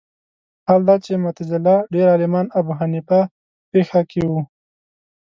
حال دا چې معتزله ډېر عالمان ابو حنیفه فقه کې وو